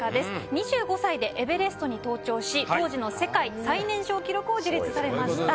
２５歳でエベレストに登頂し当時の世界最年少記録を樹立されました。